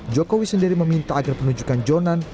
jokowi sendiri meminta agar penunjukan jonan